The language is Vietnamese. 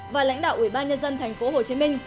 và lãnh đạo ủy ban nhân dân tp hcm